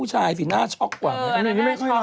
จากธนาคารกรุงเทพฯ